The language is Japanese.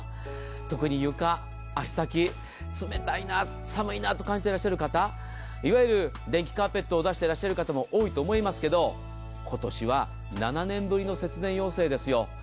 特に床、足先冷たいな寒いなと感じていらっしゃる方いわゆる電気カーペットを出している方も多いと思いますけど今年は７年ぶりの節電要請ですよ。